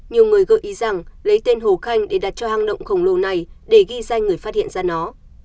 nhiều người gợi ý rằng lấy tên hồ khanh để đặt cho hang động khổng lồ này để ghi danh người phát hiện ra nó